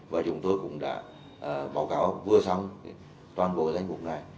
và chúng tôi cũng đã báo cáo vừa xong toàn bộ danh mục này